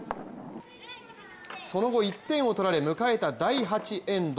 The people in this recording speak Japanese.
その後、１点を取られ迎えた第８エンド。